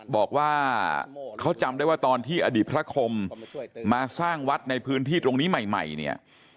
บอกว่าเขาจำได้ว่าตอนที่อดีตพระคมมาสร้างวัดในพื้นที่ตรงนี้ใหม่เนี่ย